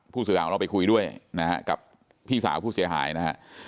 สื่อของเราไปคุยด้วยนะฮะกับพี่สาวผู้เสียหายนะฮะ